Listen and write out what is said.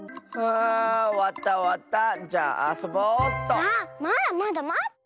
あまだまだまって。